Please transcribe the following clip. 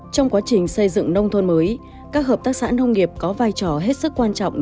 trong quá trình xây dựng nông thôn mới các hợp tác xã nông nghiệp có vai trò hết sức quan trọng